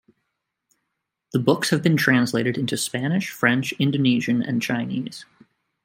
The books have been translated into Spanish, French, Indonesian, and Chinese.